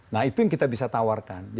nah itu yang kita bisa tawarkan